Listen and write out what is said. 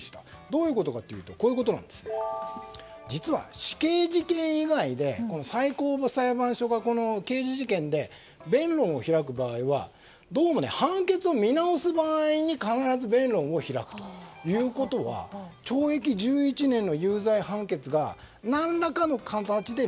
どういうことかというと実は死刑事件以外で最高裁判所が刑事事件で弁論を開く場合は判決を見直す場合に必ず弁論を開くということは懲役１１年の有罪判決が何らかの形で